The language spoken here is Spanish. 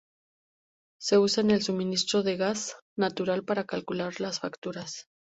Se usa en el suministro de gas natural para calcular las facturas.